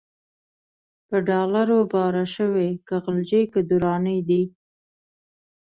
په ډالرو باړه شوی، که غلجی که درانی دی